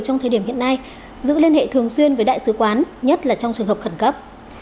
trong thời điểm hiện nay giữ liên hệ thường xuyên với đại sứ quán nhất là trong trường hợp khẩn cấp